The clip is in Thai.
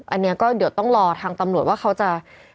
อันนี้ก็เดี๋ยวต้องรอทางตำรวจว่าเขาจะ